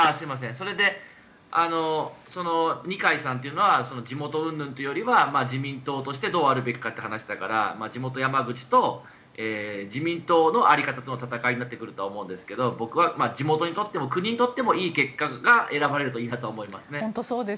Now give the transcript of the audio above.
それで、二階さんというのは地元うんぬんというよりは自民党としてどうあるべきかという話だから地元・山口と自民党の在り方との戦いになってくると思うんですが僕は地元にとっても国にとってもいい結果が選ばれるといいなと思います。